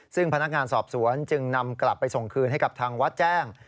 ซึ่งพนักงานสอบสวนจึงนำกลับไปส่งคืนให้กับทางวัดแจ้ง